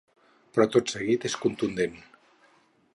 Però tot seguit és contundent.